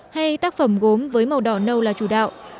hay tác phẩm gốm với màu đỏ nâu là chủ đạo